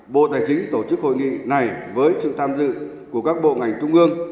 bộ tài chính tổ chức hội nghị này với sự tham dự của các bộ ngành trung ương